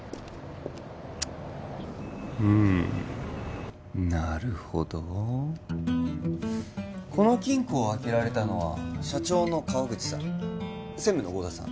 うんなるほどこの金庫を開けられたのは社長の川口さん専務の剛田さん